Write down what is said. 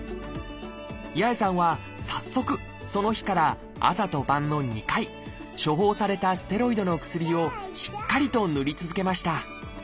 八重さんは早速その日から朝と晩の２回処方されたステロイドの薬をしっかりと塗り続けました。